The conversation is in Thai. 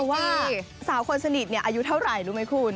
ว่าสาวคนสนิทอายุเท่าไหร่รู้ไหมคุณ